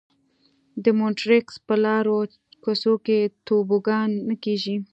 د مونټریکس په لارو کوڅو کې توبوګان نه کېږي.